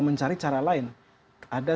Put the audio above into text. mencari cara lain ada